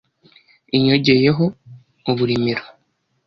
inyogeyeho uburimiro